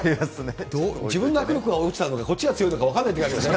自分の握力が落ちたのか、こっちが強いのか分かんないときありますね。